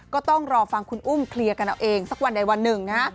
ก็ต้องรอฟังคุณอุ้มเคลียร์กันเอาเองสักวันใดวันหนึ่งนะฮะ